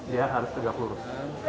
dia harus tegak lurus